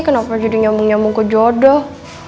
kenapa jadi nyambung nyambung ke jodoh